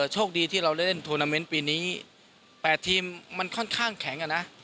โชคดีที่เราเล่นโทนาเมนต์ปีนี้๘ทีมมันค่อนข้างแข็งอ่ะนะ